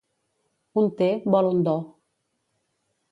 Un té vol un do.